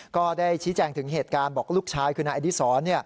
ก็ได้ชี้แจงถึงเหตุการณ์บอกลูกชายคือนายอดีศร